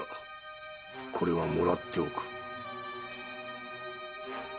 これはもらっておく。